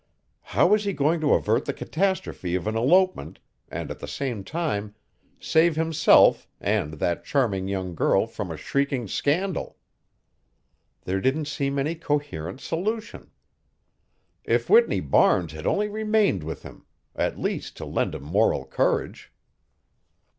How was he going to avert the catastrophe of an elopement and at the same time save himself and that charming young girl from a shrieking scandal? There didn't seem any coherent solution. If Whitney Barnes had only remained with him at least to lend him moral courage!